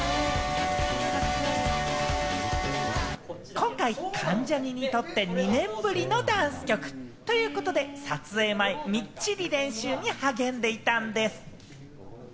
今回、関ジャニ∞とって２年ぶりのダンス曲ということで、撮影前、みっちり練習に励んでいたんでぃす。